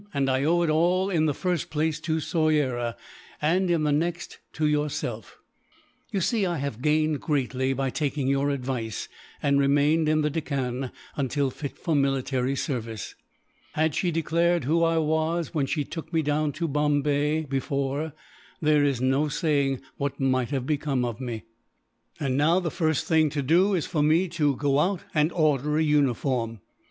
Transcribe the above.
and I owe it all, in the first place to Soyera, and in the next to yourself. You see, I have gained greatly by taking your advice, and remaining in the Deccan until fit for military service. Had she declared who I was when she took me down to Bombay, before, there is no saying what might have become of me. "And now, the first thing to do is for me to go out and order a uniform.